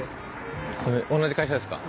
同じ会社ですか？